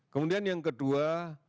kemudian yang kedua